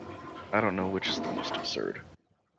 I don't know which is the most absurd.